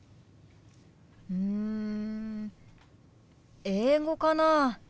うん英語かな。